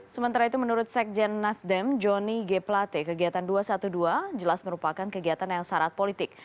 sementara itu menurut sekjen nasdem joni g plate kegiatan dua ratus dua belas jelas merupakan kegiatan yang syarat politik